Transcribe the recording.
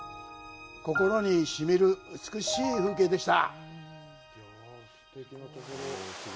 心にしみる美しい風景でした。